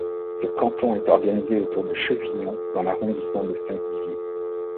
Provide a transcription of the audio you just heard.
Ce canton était organisé autour de Chevillon dans l'arrondissement de Saint-Dizier.